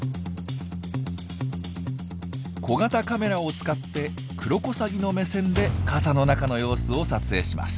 小型カメラを使ってクロコサギの目線で傘の中の様子を撮影します。